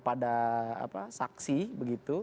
terus hakimnya langsung lempar